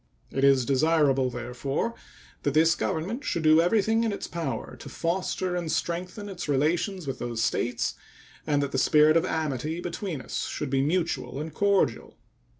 It is desirable, therefore, that this Government should do everything in its power to foster and strengthen its relations with those States, and that the spirit of amity between us should be mutual and cordial.